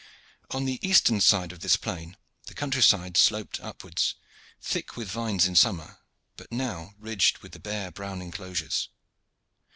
On the eastern side of this plain the country side sloped upwards, thick with vines in summer, but now ridged with the brown bare enclosures.